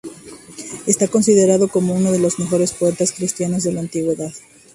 Está considerado como uno de los mejores poetas cristianos de la Antigüedad.